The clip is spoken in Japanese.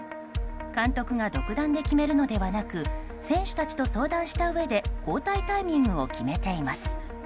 監督が独断で決めるのではなく選手たちと相談したうえで交代タイミングを決めています。